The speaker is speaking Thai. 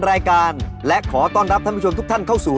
รายการและขอต้อนรับท่านผู้ชมทุกท่านเข้าสู่